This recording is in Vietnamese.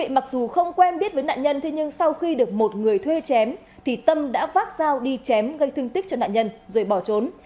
mặc dù không quen biết với nạn nhân nhưng sau khi được một người thuê chém thì tâm đã vác dao đi chém gây thương tích cho nạn nhân rồi bỏ trốn